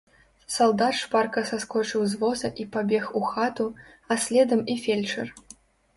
Салдат шпарка саскочыў з воза і пабег у хату, а следам і фельчар.